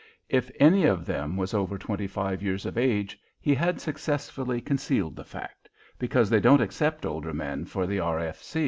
If any of them was over twenty five years of age, he had successfully concealed the fact, because they don't accept older men for the R.